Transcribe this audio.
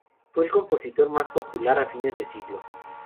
Fue el compositor más popular a fines de siglo.